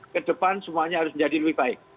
ke depan semuanya harus menjadi lebih baik